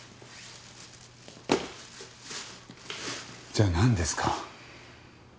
じゃあなんですか？